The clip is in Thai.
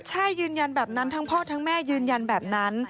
ใช่ยืนยันแบบนั้นทั้งพ่อทั้งแม่ยืนยันแบบนั้น